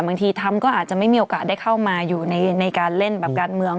ทำก็อาจจะไม่มีโอกาสได้เข้ามาอยู่ในการเล่นแบบการเมือง